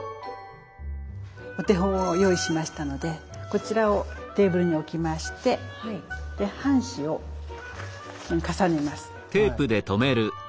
お手本を用意しましたのでこちらをテーブルに置きまして半紙を重ねます。